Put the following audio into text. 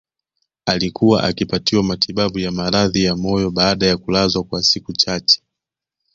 Alikuwa akipatiwa matibabu ya maradhi ya moyo baada ya kulazwa kwa siku chache